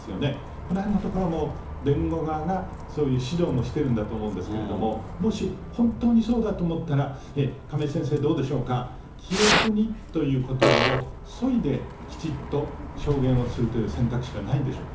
このへんのところも、弁護側がそういう指導もしてるんだと思うんですけれども、もし本当にそうだと思ったら、亀井先生、どうでしょうか、記憶にということばをそいで、きちっと証言をするという選択肢はないんでしょうか。